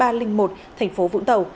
thành phố vũng tàu